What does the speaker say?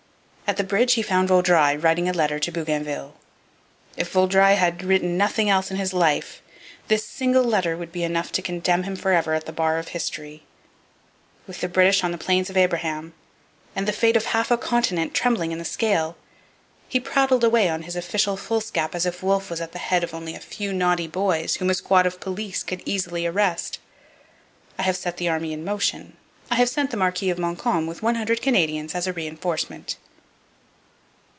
At the bridge he found Vaudreuil writing a letter to Bougainville. If Vaudreuil had written nothing else in his life, this single letter would be enough to condemn him for ever at the bar of history. With the British on the Plains of Abraham and the fate of half a continent trembling in the scale, he prattled away on his official foolscap as if Wolfe was at the head of only a few naughty boys whom a squad of police could easily arrest. 'I have set the army in motion. I have sent the Marquis of Montcalm with one hundred Canadians as a reinforcement.'